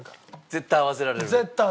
絶対合わせられる。